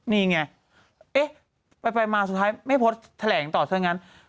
นี่ไงไปมาสุดท้ายไม่โพสต์แถล่งต่อเท่านั้น